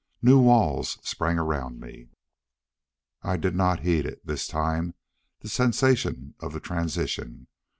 New walls sprang around me. I did not heed it, this time, the sensation, of the transition.